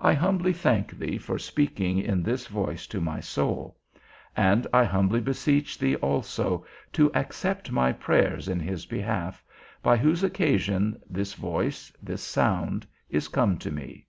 I humbly thank thee for speaking in this voice to my soul; and I humbly beseech thee also to accept my prayers in his behalf, by whose occasion this voice, this sound, is come to me.